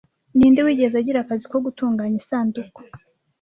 Ninde wigeze agira akazi ko gutunganya isanduku